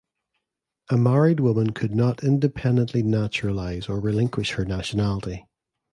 A married woman could not independently naturalize or relinquish her nationality.